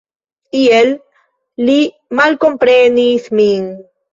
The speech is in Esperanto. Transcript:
Iel li malkomprenis min.